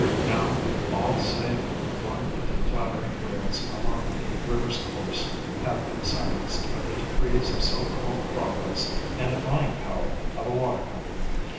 Now all save one of the clatter ing wheels along the river's course have been silenced by the decrees of so called progress and the buying power of a water company.